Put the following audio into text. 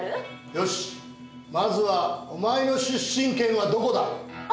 よしまずはお前の出身県はどこだ？